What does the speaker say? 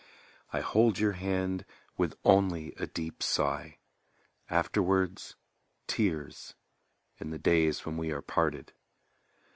I hold your hand with only a deep sigh; Afterwards, tears in the days when we are parted.